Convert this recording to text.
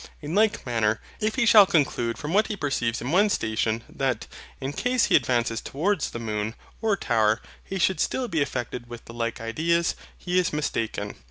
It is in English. In like manner, if he shall conclude from what he perceives in one station, that, in case he advances towards the moon or tower, he should still be affected with the like ideas, he is mistaken.